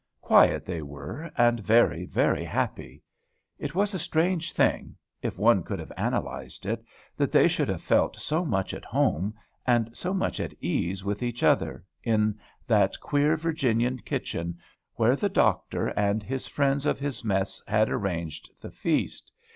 Quiet they were, and very, very happy. It was a strange thing, if one could have analyzed it, that they should have felt so much at home, and so much at ease with each other, in that queer Virginian kitchen, where the doctor and his friends of his mess had arranged the feast.